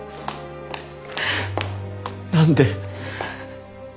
何で。